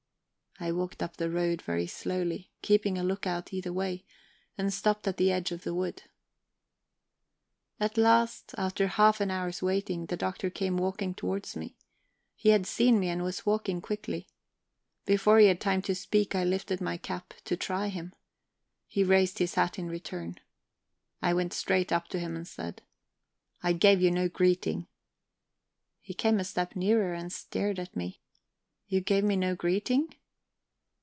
I walked up the road very slowly, keeping a lookout either way, and stopped at the edge of the wood. At last, after half an hour's waiting, the Doctor came walking towards me; he had seen me, and was walking quickly. Before he had time to speak I lifted my cap, to try him. He raised his hat in return. I went straight up to him and said: "I gave you no greeting." He came a step nearer and stared at me. "You gave me no greeting...?"